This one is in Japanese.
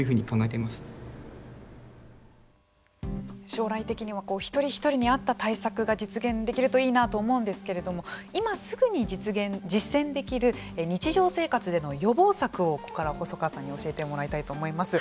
将来的には一人一人に合った対策が実現できるといいなと思うんですけれども今すぐに実践できる日常生活での予防策をここからは細川さんに教えていただきたいと思います。